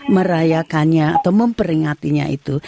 merayakannya atau memperingatinya itu